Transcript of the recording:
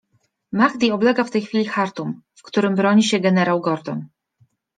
- Mahdi oblega w tej chwili Chartum, w którym broni się generał Gordon.